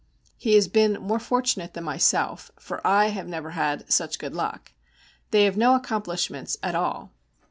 He has been more fortunate than myself, for I have never had such good luck. They have no accomplishments at all.